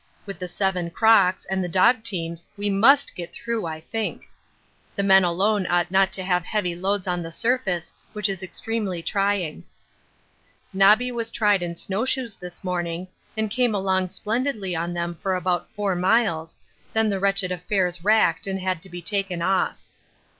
With the seven crocks and the dog teams we must get through I think. The men alone ought not to have heavy loads on the surface, which is extremely trying. Nobby was tried in snowshoes this morning, and came along splendidly on them for about four miles, then the wretched affairs racked and had to be taken off.